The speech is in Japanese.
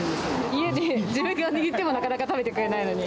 家で自分が握っても、なかなか食べてくれないのに。